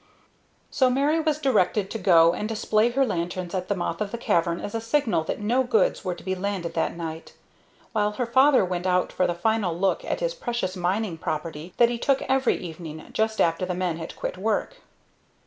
So Mary was directed to go and display two lanterns at the mouth of the cavern as a signal that no goods were to be landed that night, while her father went out for the final look at his precious mining property that he took every evening just after the men had quit work.